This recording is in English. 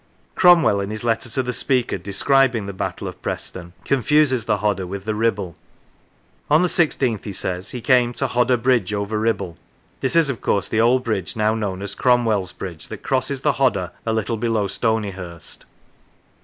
Cromwell, in his letter to the Speaker de scribing the Battle of Preston, confuses the Hodder with the Kibble. On the i6th ? he says, he came to "Hodder Bridge over Kibble." This is, of course, the old bridge now known as " Cromwell's Bridge " that crosses the Hodder, a little below Stonyhurst.